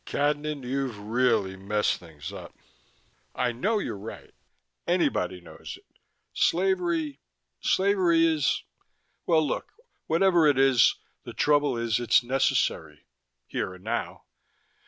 "Cadnan, you've really messed things up. I know you're right anybody knows it. Slavery slavery is well, look, whatever it is, the trouble is it's necessary. Here and now.